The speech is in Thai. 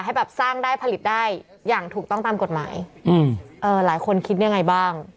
ให้แบบสร้างได้ผลิตได้อย่างถูกต้องตามกฎหมายอืมเอ่อหลายคนคิดยังไงบ้าง